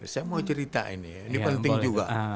saya mau ceritain ya ini penting juga